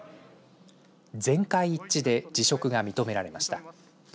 全会一致で辞職が認められました。